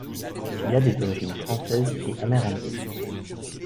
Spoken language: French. Il a des origines françaises et amérindiennes.